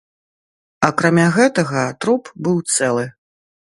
Акрамя гэтага труп быў цэлы.